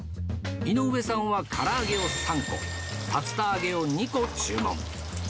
井上さんはから揚げを３個、竜田揚げを２個注文。